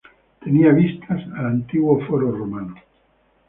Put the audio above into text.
Tenía vistas al antiguo foro romano.